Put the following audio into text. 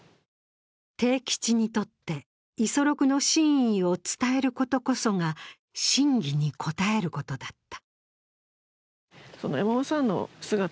悌吉にとって五十六の真意を伝えることこそが信義に応えることだった。